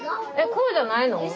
こうじゃないの？